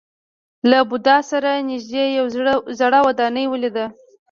له بودا سره نژدې یوه زړه ودانۍ ولیده.